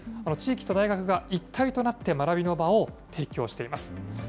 地域と大学が一体となって学びの場を提供しています。